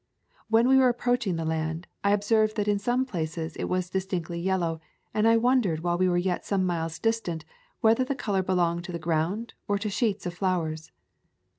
When we were ap proaching the land, I observed that in some places it was distinctly yellow, and I wondered | while we were yet some miles distant whether the color belonged to the ground or to sheets of flowers.